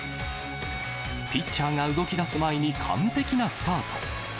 ピッチャーが動きだす前に、完璧なスタート。